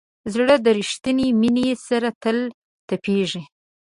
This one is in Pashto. زړه د ریښتینې مینې سره تل تپېږي.